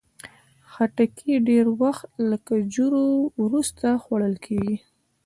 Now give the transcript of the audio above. خټکی ډېر وخت له کجورو وروسته خوړل کېږي.